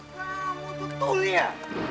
kamu tuh tulia